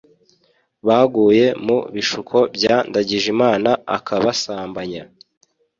baguye mu bishuko bya Ndagijimana akabasambanya